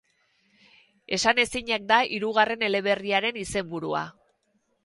Esanezinak da hirugarren eleberriaren izenburua.